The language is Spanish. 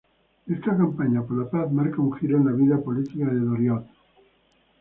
Esta campaña por la paz marca un giro en la vida política de Doriot.